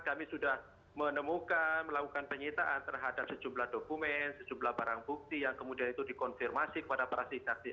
kami sudah menemukan melakukan penyitaan terhadap sejumlah dokumen sejumlah barang bukti yang kemudian itu dikonfirmasi kepada para saksi saksi